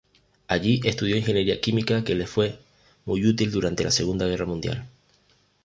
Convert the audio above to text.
Allí estudió ingeniería química, que le fue muy útil durante la Segunda Guerra Mundial.